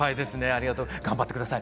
ありがとう。頑張って下さい。